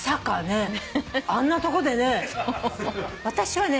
私はね